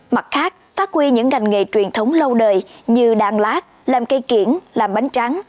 mặt khác phát huy những ngành nghề truyền thống lâu đời như đan lát làm cây kiển làm bánh trắng